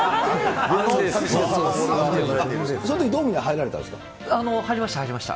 そのとき、ドームに入られた入りました、入りました。